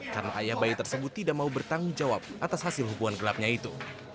karena ayah bayi tersebut tidak mau bertanggung jawab atas hasil hubungan gelapnya itu